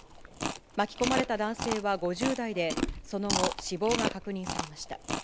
巻き込まれた男性は５０代で、その後、死亡が確認されました。